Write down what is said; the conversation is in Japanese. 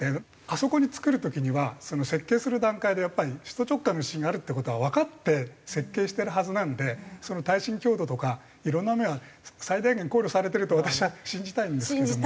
あそこに造る時には設計する段階でやっぱり首都直下の地震があるっていう事はわかって設計してるはずなんで耐震強度とかいろんな面は最大限考慮されてると私は信じたいんですけども。